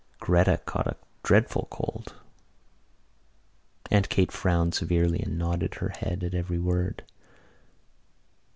Gretta caught a dreadful cold." Aunt Kate frowned severely and nodded her head at every word.